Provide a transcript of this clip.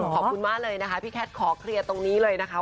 ขอบคุณมากเลยนะคะพี่แคทขอเคลียร์ตรงนี้เลยนะคะ